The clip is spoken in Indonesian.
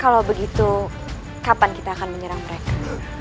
kalau begitu kapan kita akan menyerang mereka